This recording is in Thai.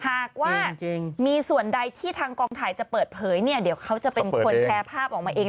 หากว่ามีส่วนใดที่ทางกองถ่ายจะเปิดเผยเนี่ยเดี๋ยวเขาจะเป็นคนแชร์ภาพออกมาเอง